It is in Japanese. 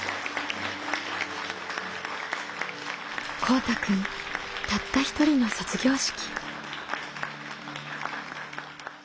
こうたくんたった一人の卒業式。